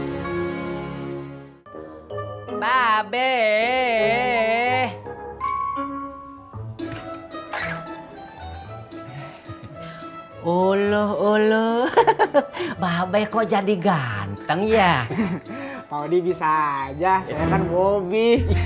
hai babay oloh oloh babay kok jadi ganteng ya paudi bisa aja seretan bobby